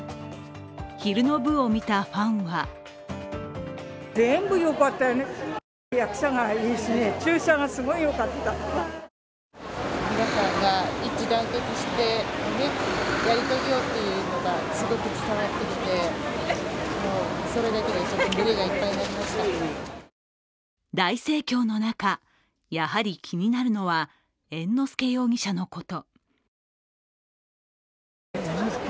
昼の部を見たファンは大盛況の中、やはり気になるのは猿之助容疑者のこと。